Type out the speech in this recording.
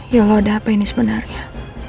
ya allah udah apa ini sebenarnya